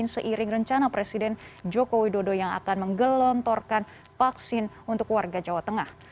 seiring rencana presiden joko widodo yang akan menggelontorkan vaksin untuk warga jawa tengah